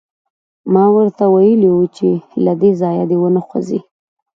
ما ورته ویلي وو چې له دې ځایه دې نه خوځي